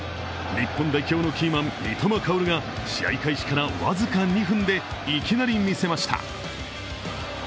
日本代表のキーマン・三笘薫が試合開始から僅か２分でいきなり見せました。